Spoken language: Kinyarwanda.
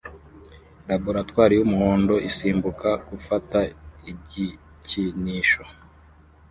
Laboratoire y'umuhondo isimbuka gufata igikinisho